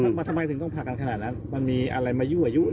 ทำไมถึงต้องผ่ากันขนาดนั้นมันมีอะไรมายั่วยุ